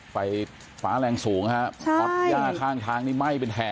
ไฟฝ้าแรงสูงค่ะคลอดหญ้าข้างนี่ไหม้เป็นแถม